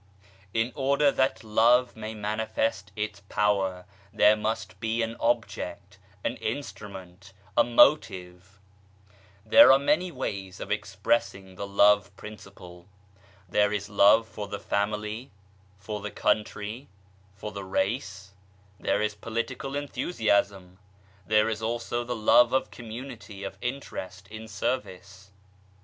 In order that Love may manifest its power there must be an object, an instrument, a motive 1 There are many ways of expressing the Love principle ; there is Love for the family, for the country, for the race, there is political enthusiasm, there is also the love of community of interest in service.